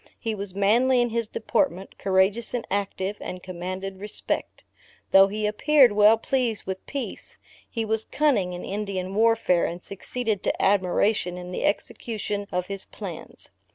He was manly in his deportment, courageous and, active; and commanded respect. Though he appeared well pleased with peace, he was cunning in Indian warfare, and succeeded to admiration in the execution of his plans.